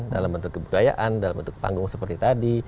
dalam bentuk kebudayaan dalam bentuk panggung seperti tadi